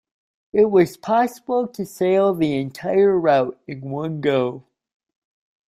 It was possible to sail the entire route in one go.